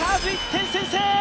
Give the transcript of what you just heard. １点先制